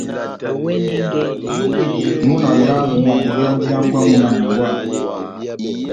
Múna oyamu adiliyɛndi hángwɛ́ wamu na nyángwɛ wamu.